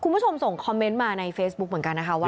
คุณผู้ชมส่งคอมเมนต์มาในเฟซบุ๊กเหมือนกันนะคะว่า